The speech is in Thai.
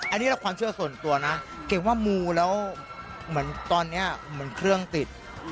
อันนี้เราความเชื่อส่วนตัวนะเก่งว่ามูแล้วเหมือนตอนนี้เหมือนเครื่องติด